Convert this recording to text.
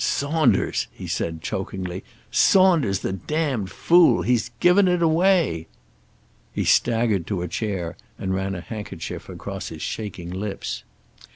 "Saunders!" he said chokingly, "Saunders, the damned fool! He's given it away." He staggered to a chair, and ran a handkerchief across his shaking lips.